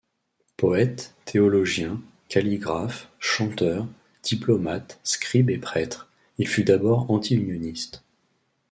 Poète, théologien, calligraphe, chanteur, diplomate, scribe et prêtre, il fut d’abord anti-unioniste.